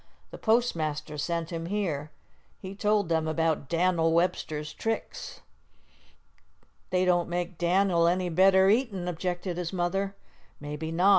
The postmaster sent him here. He told him about Dan'l Webster's tricks." "They don't make Dan'l any better eatin'," objected his mother. "Maybe not.